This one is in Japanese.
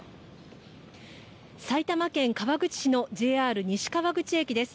埼玉県川口市のＪＲ西川口駅です。